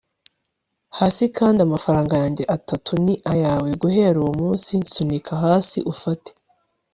hasi kandi amafaranga yanjye atatu ni ayawe! 'guhera uwo munsi' nsunika hasi ufate